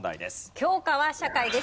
教科は社会です。